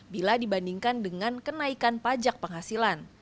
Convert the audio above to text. bila dibandingkan dengan kenaikan pajak penghasilan